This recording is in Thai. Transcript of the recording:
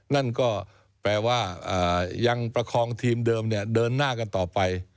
นั่นก็แปลว่ายังประคองทีมเดิมเดินหน้ากันต่อไป